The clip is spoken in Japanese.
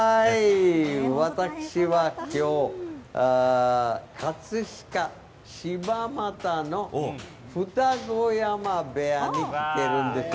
私はきょう、葛飾柴又の二子山部屋に来てるんですよ。